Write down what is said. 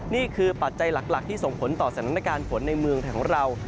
ปัจจัยหลักที่ส่งผลต่อสถานการณ์ฝนในเมืองไทยของเรา